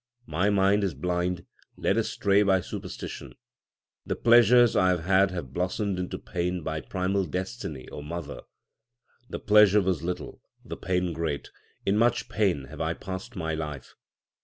My mind is blind, led astray by superstition. The pleasures I have had have blossomed into pain by primal destiny, O mother. The pleasure was little ; the pain great ; in much pain have I passed my life.